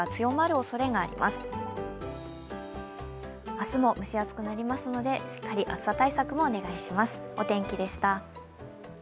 明日も蒸し暑くなりますのでしっかり暑さ対策もお願いします。